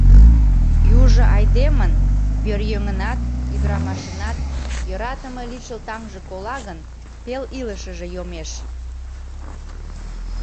Южо айдемын, пӧръеҥынат, ӱдырамашынат, йӧратыме лишыл таҥже кола гын, пел илышыже йомеш.